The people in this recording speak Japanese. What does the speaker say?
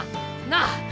なあ。